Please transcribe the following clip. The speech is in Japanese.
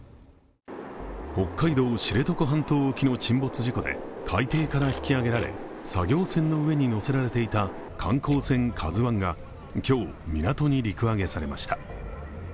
北海道・知床半島沖の沈没事故で海底から引き揚げられ、作業船の上に載せられていた観光船「ＫＡＺＵⅠ」が今日、港に陸揚げされました。